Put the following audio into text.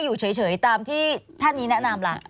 อยู่เฉยตามที่ท่านนี้แนะนำล่ะ